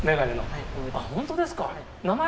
本当ですか？